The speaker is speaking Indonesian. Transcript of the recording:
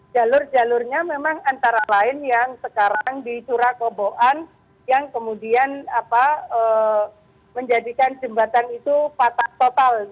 jalur jalurnya memang antara lain yang sekarang di curah koboan yang kemudian menjadikan jembatan itu patah total